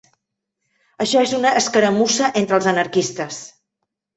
Això és una escaramussa entre els anarquistes